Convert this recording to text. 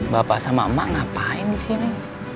bapak sama emak ngapain disini